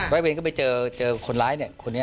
แลกไปเจอคนร้ายคนนี้